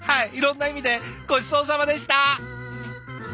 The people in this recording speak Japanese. いろんな意味でごちそうさまでした！